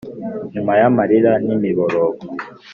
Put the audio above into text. nyuma y’amarira n’imiborogo